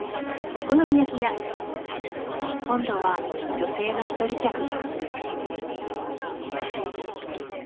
今度は女性の一人客が。